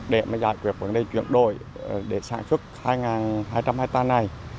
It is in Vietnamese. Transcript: để mà giải quyết vấn đề chuyển đổi để sản xuất hai hai trăm linh hectare này